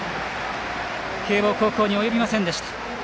慶応高校に及びませんでした。